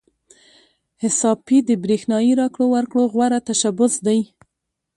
حساب پې د برېښنايي راکړو ورکړو غوره تشبث دی.